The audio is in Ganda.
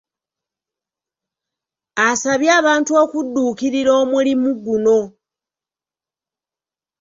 Asabye abantu okudduukirira omulimu guno.